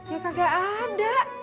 ya kagak ada